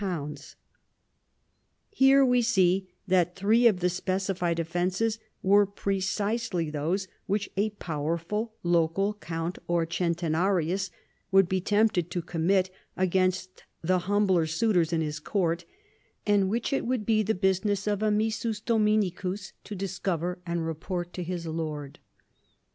* Here we see that three of the specified offences were precisely those which a powerful local count or cen te7iarius would be tempted to commit against the humbler suitors in his court, and which it would be the business of a missus dominicus to discover and report to his lord.